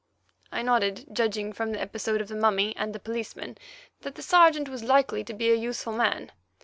I nodded, judging from the episode of the mummy and the policeman that the Sergeant was likely to be a useful man.